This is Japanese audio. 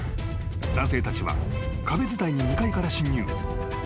［男性たちは壁伝いに２階から進入］